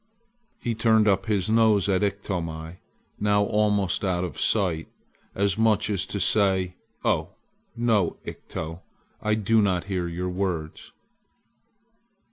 He turned up his nose at Iktomi, now almost out of sight, as much as to say: "Oh, no, Ikto; I do not hear your words!"